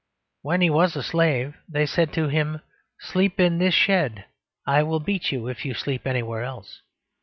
When he was a slave, they said to him, "Sleep in this shed; I will beat you if you sleep anywhere else."